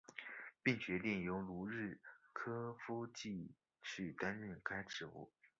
并决定由卢日科夫继续担任该职务。